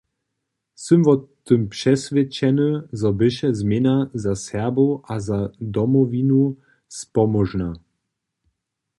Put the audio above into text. Sym wo tym přeswědčeny, zo běše změna za Serbow a za Domowinu spomóžna.